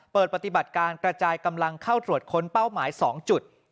เปิดปฏิบัติการกระจายกำลังเข้าตรวจค้นเป้าหมาย๒จุด